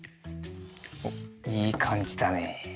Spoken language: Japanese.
おっいいかんじだね。